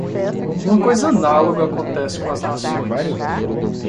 Uma coisa análoga acontece com as nações.